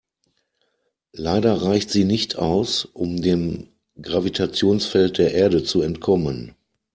Leider reicht sie nicht aus, um dem Gravitationsfeld der Erde zu entkommen.